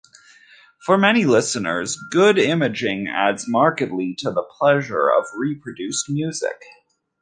For many listeners, good imaging adds markedly to the pleasure of reproduced music.